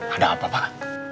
ada apa pak